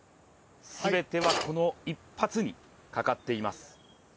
全てはこの１発にかかっています。